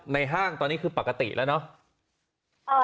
ห้างตอนนี้คือปกติแล้วเนาะ